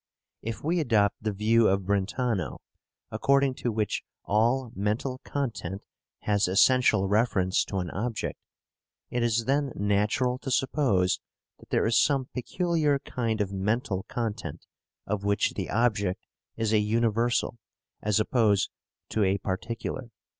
If we adopt the view of Brentano, according to which all mental content has essential reference to an object, it is then natural to suppose that there is some peculiar kind of mental content of which the object is a universal, as oppose to a particular.